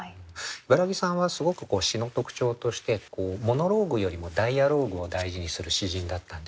茨木さんはすごく詩の特徴としてモノローグよりもダイアローグを大事にする詩人だったんですね。